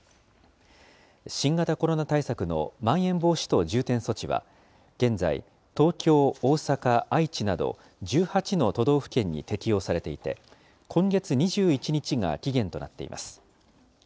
新型コロナ対策のまん延防止等重点措置は現在、東京、大阪、愛知など、１８の都道府県に適用されていて、今月２１日が期限となっています。